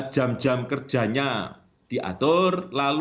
jam jam kerjanya diatur